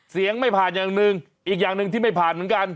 ไม่ผ่านอย่างหนึ่งอีกอย่างหนึ่งที่ไม่ผ่านเหมือนกัน